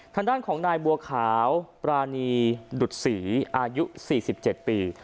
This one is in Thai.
ทางด้านของนายบัวขาวปรานีดุดศรีอายุ๔๗ปี